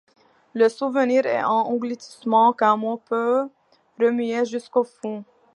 Le souvenir est un engloutissement qu’un mot peut remuer jusqu’au fond.